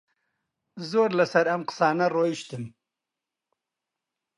زۆر لەسەر ئەم قسانە ڕۆیشتم